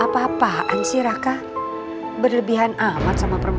dia merasa bahkan membawa para se forma